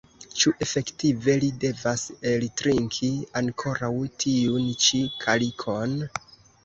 Ĉu efektive li devas eltrinki ankoraŭ tiun ĉi kalikon?